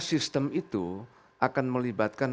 sistem itu akan melibatkan